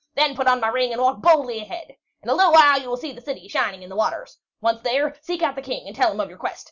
Then put on my ring and walk boldly ahead. In a little while you will see the city shining in the waters. Once there, seek out the King and tell him of your quest.